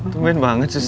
tungguin banget susah